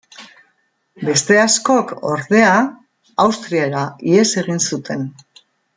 Beste askok, ordea, Austriara ihes egin zuten.